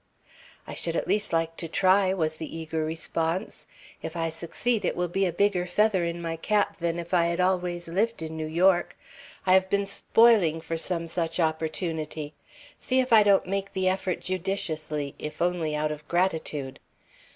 "I should at least like to try," was the eager response. "If I succeed it will be a bigger feather in my cap than if I had always lived in New York. I have been spoiling for some such opportunity. See if I don't make the effort judiciously, if only out of gratitude."